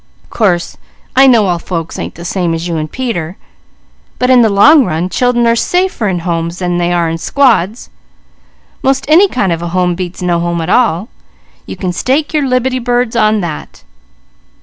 Course I know all folks ain't the same as you and Peter; but in the long run, children are safer in homes than they are in squads. 'Most any kind of a home beats no home at all. You can stake your liberty birds on that."